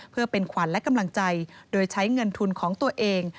เพื่อเป็นขวัญและกำลังใจโดยใช้เงินทุนของตัวเอง